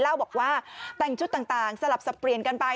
เล่าบอกว่าแต่งชุดต่างสลับสับเปลี่ยนกันไป